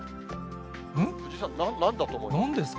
藤井さん、なんだと思いますか？